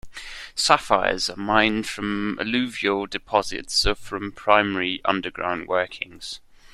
Sapphires are mined from alluvial deposits or from primary underground workings.